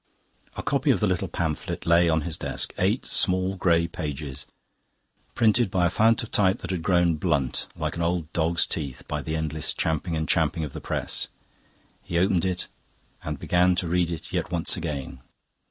A copy of the little pamphlet lay on his desk eight small grey pages, printed by a fount of type that had grown blunt, like an old dog's teeth, by the endless champing and champing of the press. He opened it and began to read it yet once again.